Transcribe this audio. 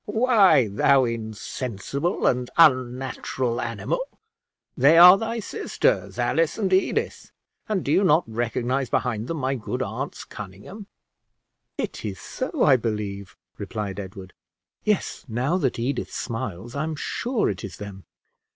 "Why, thou insensible and unnatural animal! they are thy sisters, Alice and Edith; and do you not recognize behind them my good aunts Conynghame?" "It is so, I believe," replied Edward. "Yes, now that Edith smiles, I'm sure it is them."